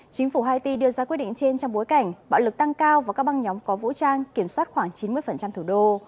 chính phủ haiti đưa ra quyết định trên trong bối cảnh bạo lực tăng cao và các băng nhóm có vũ trang kiểm soát khoảng chín mươi thủ đô